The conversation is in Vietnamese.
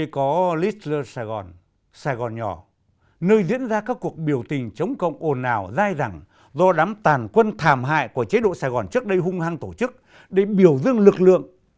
nơi có little saigon saigon nhỏ nơi diễn ra các cuộc biểu tình chống cộng ồn ào dai rẳng do đám tàn quân thàm hại của chế độ saigon trước đây hung hăng tổ chức để biểu dương lực lượng